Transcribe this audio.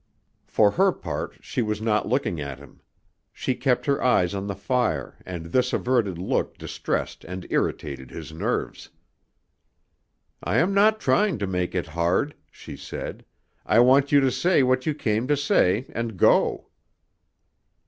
For her part she was not looking at him. She kept her eyes on the fire and this averted look distressed and irritated his nerves. "I am not trying to make it hard," she said; "I want you to say what you came to say and go."